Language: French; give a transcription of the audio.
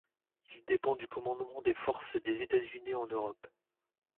Il dépend du commandement des forces des États-Unis en Europe.